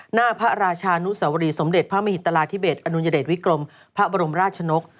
หน้าพระราชานุสวรีสมเด็จพระมหิตราธิเบสอนุญเดชวิกรมพระบรมราชนก